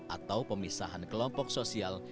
atau pemisahan kelompok sosial